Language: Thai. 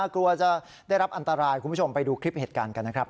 กลัวจะได้รับอันตรายคุณผู้ชมไปดูคลิปเหตุการณ์กันนะครับ